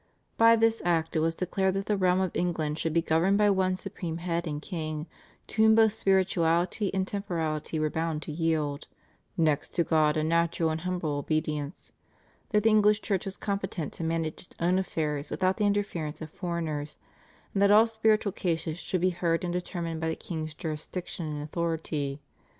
By this Act it was declared that the realm of England should be governed by one supreme head and king, to whom both spirituality and temporality were bound to yield, "next to God a natural and humble obedience," that the English Church was competent to manage its own affairs without the interference of foreigners, and that all spiritual cases should be heard and determined by the king's jurisdiction and authority.